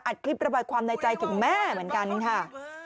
คลิประบายความในใจถึงแม่เหมือนกันค่ะ